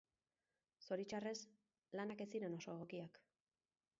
Zoritxarrez lanak ez ziren oso egokiak.